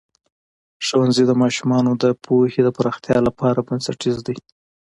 ښوونځی د ماشومانو د پوهې د پراختیا لپاره بنسټیز دی.